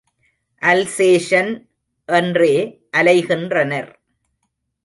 Alsatian! என்றே அலைகின்றனர்.